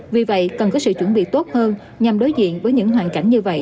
vì vậy cần có sự chuẩn bị tốt hơn nhằm đối diện với những hoàn cảnh như vậy